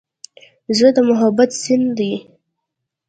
زړه د محبت سیند دی.